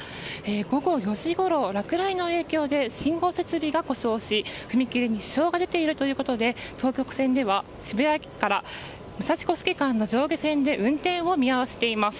午後４時ごろ、落雷の影響で信号設備が故障し踏切に支障が出ているということで東横線では渋谷駅から武蔵小杉駅間の上下線で運転を見合わせています。